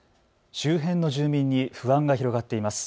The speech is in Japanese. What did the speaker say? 周辺の住民に不安が広がっています。